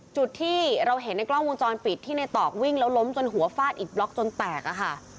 จุดที่เราเห็นในกล้องวงจรปิดที่ในตอกวิ่งแล้วล้มจนหัวฟาดอิดบล็อกจนแตกอะค่ะ